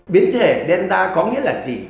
biến thể delta có nghĩa là gì